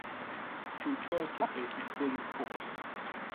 He currently plays with Full Force.